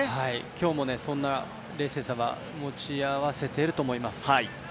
今日もそんな冷静さは持ち合わせていると思います。